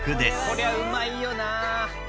こりゃうまいよな。